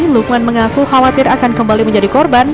lukman mengaku khawatir akan kembali menjadi korban